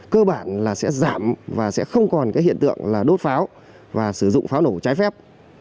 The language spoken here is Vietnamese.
cơ bản sẽ giảm và sẽ không còn hiện tượng đốt pháo và sử dụng pháo nổ trái phép